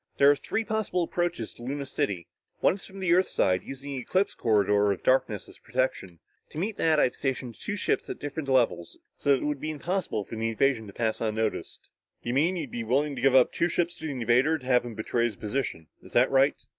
There are three possible approaches to Luna City. One is from the Earth side, using the eclipse corridor of darkness as protection. To meet that, I've stationed two ships at different levels and distances in that corridor so that it would be impossible for an invasion to pass unnoticed." "You mean, you'd be willing to give up two ships to the invader to have him betray his position. Is that right?"